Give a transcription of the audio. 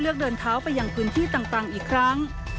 เดินเท้าไปยังพื้นที่ต่างอีกครั้ง